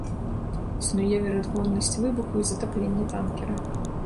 Існуе верагоднасць выбуху і затаплення танкера.